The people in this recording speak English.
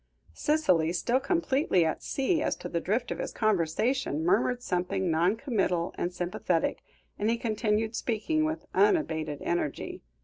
Cicely, still completely at sea as to the drift of his conversation, murmured something non committal and sympathetic, and he continued speaking with unabated energy.